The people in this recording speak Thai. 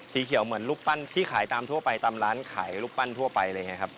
สีเขียวเหมือนรูปปั้นที่ขายตามทั่วไปตามร้านขายรูปปั้นทั่วไปอะไรอย่างนี้ครับ